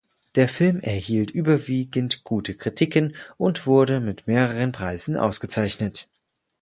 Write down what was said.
Der Film erhielt überwiegend gute Kritiken und wurde mit mehreren Preisen ausgezeichnet.